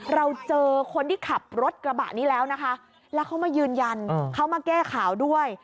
เราเจอคนที่ขับรถกระบะนี้แล้วนะคะแล้วเขามายืนยันเขามาแก้ข่าวด้วย